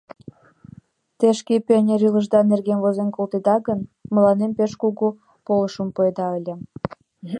Те шке пионер илышда нерген возен колтеда гын, мыланем пеш кугу полышым пуэда ыле.